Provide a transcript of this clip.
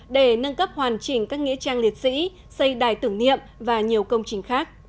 để nâng cấp hoàn chỉnh các nghĩa trang liệt sĩ xây đài tưởng niệm và nhiều công trình khác